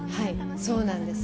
そうなんです。